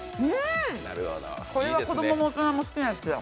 これは子供も大人も好きなやつだ。